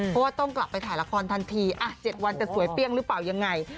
เพราะว่าต้องกลับไปถ่ายละครทันที๗วันจะสวยเปรี้ยงหรือเปล่ายังไง